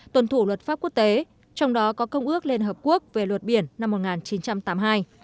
tuần thủ luật pháp quốc tế trong đó có công ước liên hợp quốc về luật biển năm một nghìn chín trăm tám mươi hai